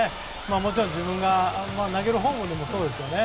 もちろん、自分が投げるほうでもそうですよね。